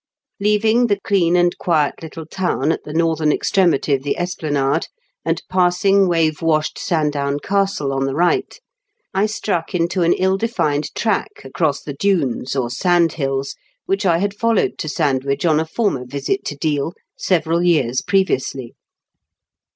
Leaving the clean and quiet little town at the northern extremity of the esplanade, and passing wave washed Sandown Castle on the right, I struck into an ill defined track across the dunes, or OVER THE DXTNE8. 225 sand hills, which I had followed to Sandwich on a former visit to Deal, several years previously.